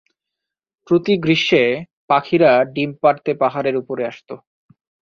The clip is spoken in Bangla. প্রতি গ্রীষ্মে পাখিরা ডিম পাড়তে পাহাড়ের উপর আসত।